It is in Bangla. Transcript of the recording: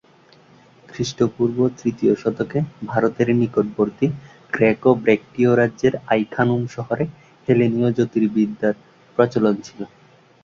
খ্রীষ্টপূর্ব তৃতীয় শতকে ভারতের নিকটবর্তী গ্রেকো-ব্যাক্ট্রিয় রাজ্যের আই-খানুম শহরে হেলেনীয় জ্যোতির্বিদ্যার প্রচলন ছিল।